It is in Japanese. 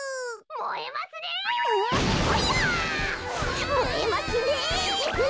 もえますねえ！